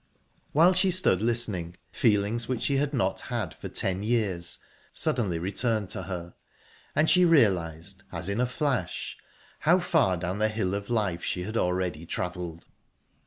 While she stood listening, feelings which she had not had for ten years suddenly returned to her, and she realised, as in a flash, how far down the hill of life she had already travelled.